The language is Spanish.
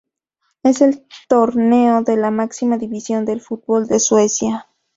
Es el torneo de la máxima división del Fútbol de Suecia.